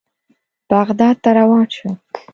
بغداد ته روان شوو.